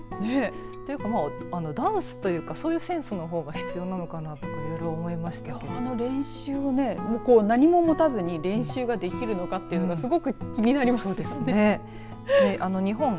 というかダンスというかそういうセンスの方が必要なのかなといろいろ思いましたけど練習を何も持たずに練習ができるのかというすごく気になりますね。